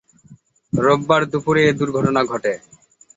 রোববার দুপুরে এ দুর্ঘটনা ঘটে।